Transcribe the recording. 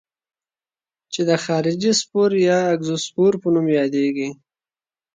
چې د خارجي سپور یا اګزوسپور په نوم یادیږي.